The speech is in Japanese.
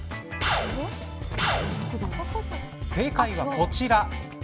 正解はこちら。